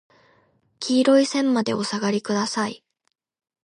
黄色い線までお下がりください。